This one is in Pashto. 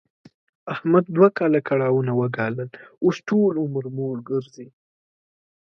احمد دوه کاله کړاوونه و ګالل، اوس ټول عمر موړ ګرځي.